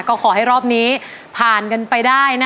ก็ขอให้รอบนี้ผ่านกันไปได้นะ